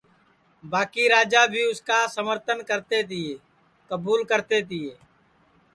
باکی راجا بھی اُس کا سمرتن کرتے تیے کبوُل کرتے تیے